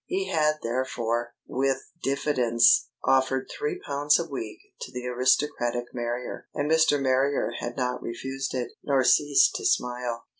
He had therefore, with diffidence, offered three pounds a week to the aristocratic Marrier. And Mr. Marrier had not refused it, nor ceased to smile.